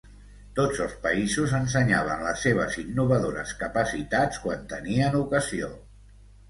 Tots els països ensenyaven les seves innovadores capacitats quan tenien ocasió.